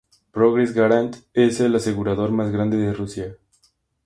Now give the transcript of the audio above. Progress-Garant es el asegurador más grande de Rusia.